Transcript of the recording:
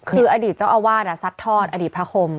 คืออดีตเจ้าอาวาสซัดทอดอดีตพระคม